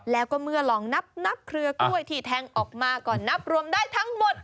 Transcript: แล้วก็เมื่อลองนับเครือกล้วยที่แทงออกมาก่อนนับรวมได้ทั้งหมด